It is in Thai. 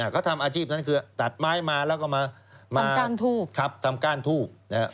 เขาทำอาชีพนั้นคือตัดไม้มาแล้วก็มาทำก้านทูบ